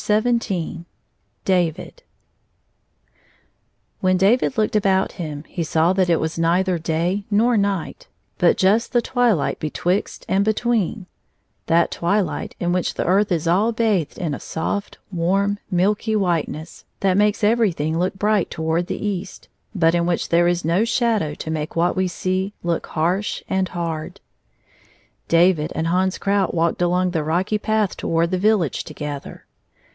171 XVII David WHEN David looked about him he saw that it was neither day nor night, but just the twilight betwixt and be tween — that twihght in which the earth is all bathed in a soft, warm, milky whiteness, that makes everything look bright toward the east, hut in which there is no shadow to make what we see look harsh and hard. David and Hans Krout walked along the rocky path toward the village together.